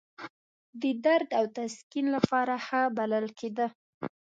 د درد او تسکین لپاره ښه بلل کېده.